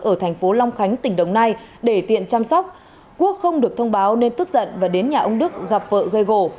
ở thành phố long khánh tỉnh đồng nai để tiện chăm sóc quốc không được thông báo nên tức giận và đến nhà ông đức gặp vợ gây gổ